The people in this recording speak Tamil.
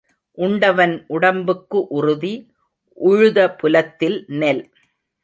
உண்டவன் உடம்புக்கு உறுதி, உழுத புலத்தில் நெல்.